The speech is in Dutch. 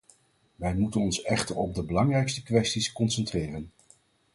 Wij moeten ons echter op de belangrijkste kwesties concentreren.